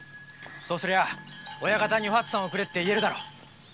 そうすりゃ親方にお初さんをくれって言えるだろ？